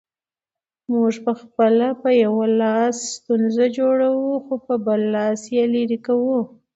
موږ پخپله په یو لاس ستونزه جوړوو، خو په بل لاس یې لیري کوو